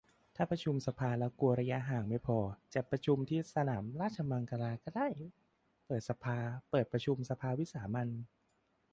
ถ้าประชุมสภาแล้วกลัวระยะหางไม่พอ จัดประชุมที่สนามราชมังคลาก็ได้ เปิดสภา เปิดประชุมสภาวิสามัญ